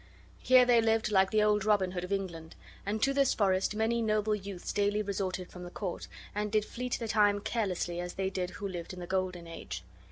Here they lived like the old Robin Hood of England, and to this forest many noble youths daily resorted from the court, and did fleet the time carelessly, as they did who lived in the golden age.